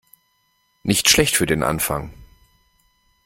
Nicht schlecht für den Anfang.